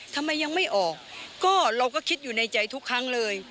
ทำไมยังไม่ออกก็เราก็คิดอยู่ในใจทุกครั้งเลย